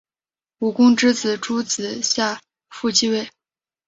武公之子邾子夏父继位。